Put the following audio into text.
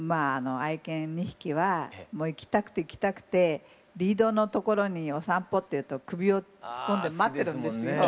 愛犬２匹はもう行きたくて行きたくてリードのところに「お散歩」って言うと首を突っ込んで待ってるんですよ。